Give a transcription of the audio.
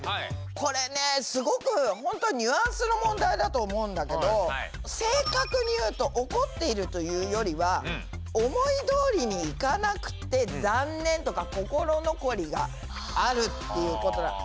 これねすごく本当はニュアンスの問題だと思うんだけど正確に言うと怒っているというよりは思いどおりにいかなくて残念とか心残りがあるっていうこと。